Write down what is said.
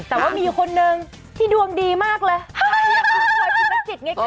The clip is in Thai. แต่ว่ามีคนนึงที่ดวงดีมากเลย